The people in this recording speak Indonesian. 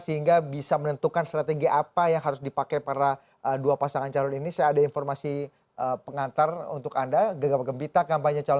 kita akan bahas di segmen berikutnya